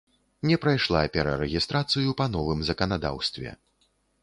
Не прайшла перарэгістрацыю па новым заканадаўстве.